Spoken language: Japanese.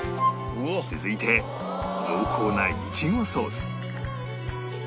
続いて濃厚ないちごソース